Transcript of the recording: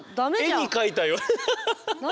絵に描いたような。